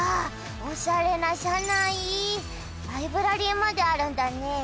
おしゃれな社内ライブラリーまであるんだね